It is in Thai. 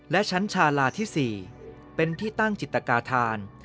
และชั้นชาลาที่๔เป็นที่ตั้งจิตกาธาน